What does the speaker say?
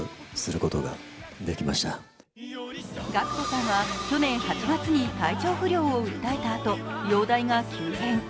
ＧＡＣＫＴさんは去年８月に体調不良を訴えたあと、容体が急変。